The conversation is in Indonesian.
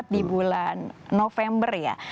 di bulan november ya